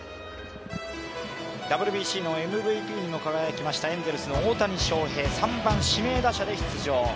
ＷＢＣのＭＶＰにも輝きましたエンゼルスの大谷翔平３番・指名打者で出場。